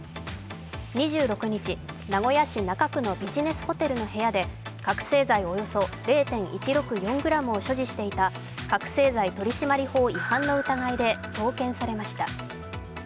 ２６日、名古屋市中区のビジネスホテルの部屋で覚醒剤およそ０．１６４ｇを所持していた覚醒剤取締法違反の疑いで送検されました。